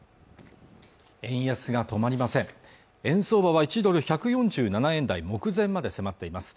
円安が止まりません円相場は１ドル１４７円台目前まで迫っています